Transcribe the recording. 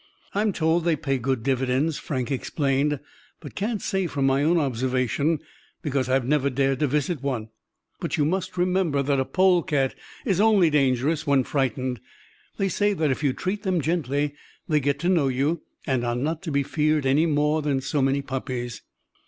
"I'm told they pay good dividends," Frank explained, "but can't say from my own observation, because I've never dared to visit one. But you must remember that a polecat is only dangerous when frightened. They say that if you treat them gently they get to know you and are not to be feared any more than so many puppies."